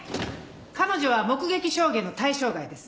彼女は目撃証言の対象外です。